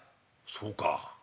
「そうか。